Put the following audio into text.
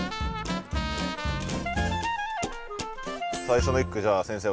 最初の１句じゃあ先生